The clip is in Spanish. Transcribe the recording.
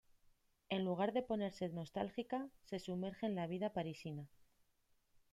En lugar de ponerse nostálgica, se sumerge en la vida parisina.